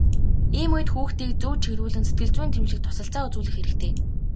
Ийм үед хүүхдийг зөв чиглүүлэн сэтгэл зүйн дэмжлэг туслалцаа үзүүлэх хэрэгтэй.